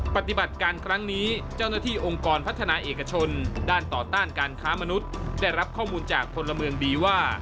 ปฏิบัติการครั้งนี้เจ้าหน้าที่องค์กรพัฒนาเอกชนด้านต่อต้านการค้ามนุษย์ได้รับข้อมูลจากพลเมืองดีว่า